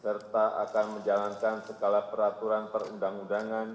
serta akan menjalankan segala peraturan perundang undangan